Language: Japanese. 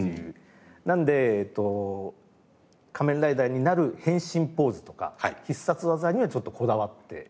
なので仮面ライダーになる変身ポーズとか必殺技にはちょっとこだわって。